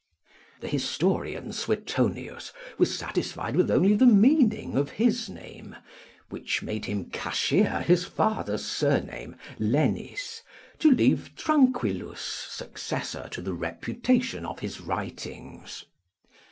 The historian Suetonius was satisfied with only the meaning of his name, which made him cashier his father's surname, Lenis, to leave Tranquillus successor to the reputation of his writings.